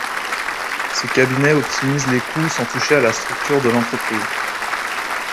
Ces cabinets optimisent les coûts sans toucher à la structure de l’entreprise.